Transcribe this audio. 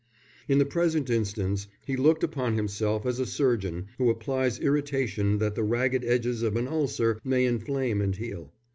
In the present instance he looked upon himself as a surgeon who applies irritation that the ragged edges of an ulcer may inflame and heal.